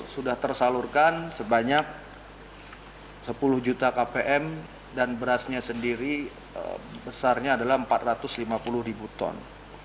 sudah tersalurkan sebanyak sepuluh juta kpm dan berasnya sendiri besarnya adalah empat ratus lima puluh ribu ton